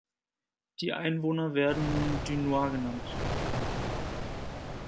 Die Einwohner werden „Dunois“ genannt.